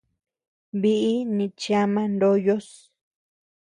Biʼi nichama ndoyos.